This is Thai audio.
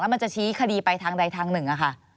แล้วมันจะชี้คดีไปทางใดทางหนึ่ง